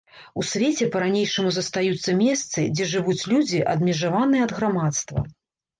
У свеце па-ранейшаму застаюцца месцы, дзе жывуць людзі, адмежаваныя ад грамадства.